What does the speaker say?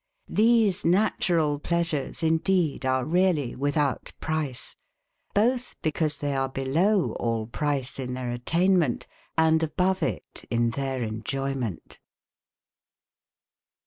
These natural pleasures, indeed, are really without price; both because they are below all price in their attainment, and above it in their enjoyment.